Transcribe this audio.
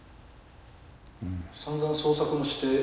さんざん捜索もして？